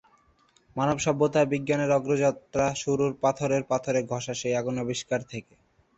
মানব সভ্যতায় বিজ্ঞানের জয়যাত্রা শুরু পাথরে পাথর ঘষে সেই আগুন আবিষ্কার থেকে।